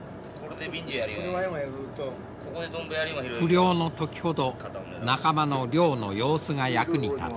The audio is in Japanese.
不漁の時ほど仲間の漁の様子が役に立つ。